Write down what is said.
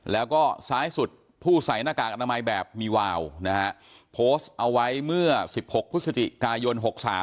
แล้วก็ซ้ายสุดผู้ใส่หน้ากากอนามัยแบบมีวาวนะฮะโพสต์เอาไว้เมื่อ๑๖พฤศจิกายน๖๓